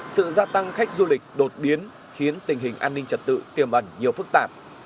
sự gia tăng khách du lịch đột biến khiến tình hình an ninh trật tự tiềm ẩn nhiều phức tạp